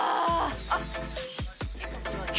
あっ。